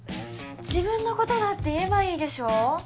自分のことだって言えばいいでしょ